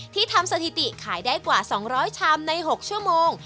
ทำสถิติขายได้กว่า๒๐๐ชามใน๖ชั่วโมง